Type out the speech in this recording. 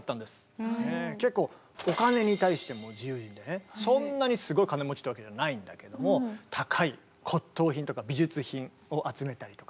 結構そんなにすごい金持ちってわけじゃないんだけども高い骨とう品とか美術品を集めたりとかね。